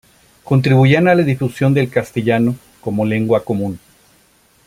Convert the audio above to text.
Contribuían a la difusión del castellano como lengua común.